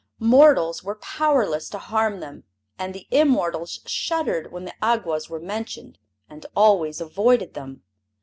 Mortals were powerless to harm them and the immortals shuddered when the Awgwas were mentioned, and always avoided them.